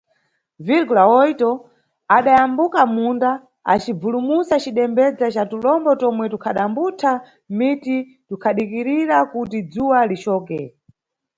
Virgula Oito adayambuka munda, acibvulumusa cidembedza ca tulombo tomwe, tukhadambutha mmiti, tukhadikirira kuti dzuwa licoke.